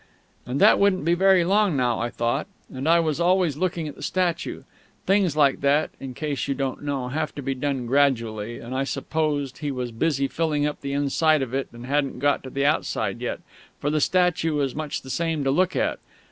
And that wouldn't be very long now, I thought; and I was always looking at the statue. Things like that (in case you don't know) have to be done gradually, and I supposed he was busy filling up the inside of it and hadn't got to the outside yet for the statue was much the same to look at.